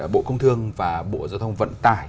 bộ công thương và bộ giao thông vận tải